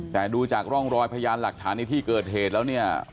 แต่ดูจากร่องรอยพยานหลักฐานในที่เกิดเหตุแล้วเนี่ย